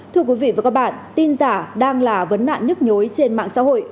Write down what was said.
thưa quý vị và các bạn tin giả đang là vấn nạn nhức nhối trên mạng xã hội